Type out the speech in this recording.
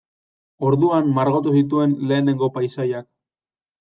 Orduan margotu zituen lehenengo paisaiak.